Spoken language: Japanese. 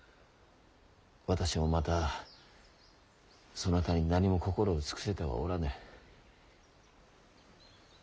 私もまたそなたに何も心を尽くせてはおらぬ。